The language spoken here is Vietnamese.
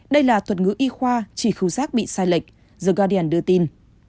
đây là thuật ngữ y khoa chỉ khứu sát bị sai lệch the guardian đưa tin